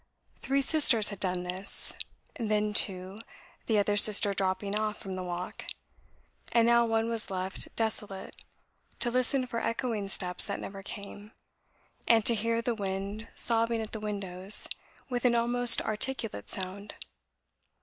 Three sisters had done this, then two, the other sister dropping off from the walk, and now one was left desolate, to listen for echoing steps that never came, and to hear the wind sobbing at the windows, with an almost articulate sound.